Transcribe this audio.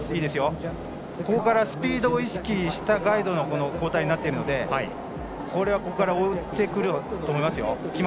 ここからスピードを意識したガイドの交代になっているのでこれは、ここから追ってくると思いますよ。